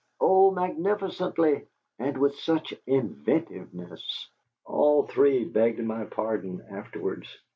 "Oh, magnificently and with such inventiveness! All three begged my pardon afterwards.